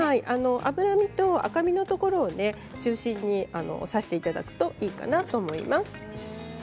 脂身と赤身のところ中心に刺していただければいいと思います。